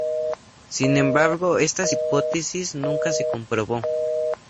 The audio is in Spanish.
Sin embargo esta hipótesis nunca se comprobó.